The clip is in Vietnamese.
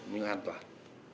nhưng an toàn